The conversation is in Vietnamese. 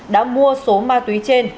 đã mua số ma túy trên